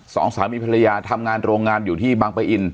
สองสามีภรรยาทำงานโรงงานอยู่ที่บางปะอิน